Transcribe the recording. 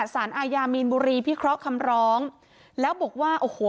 สารอาญามีนบุรีพิเคราะห์คำร้องแล้วบอกว่าโอ้โห